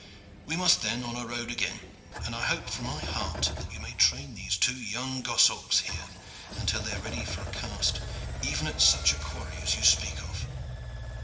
We must, then, on our road again, and I hope from my heart that you may train these two young goshawks here until they are ready for a cast even at such a quarry as you speak of."